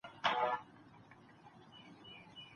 موږ کله له ډاره ماڼۍ ړنګه کړه؟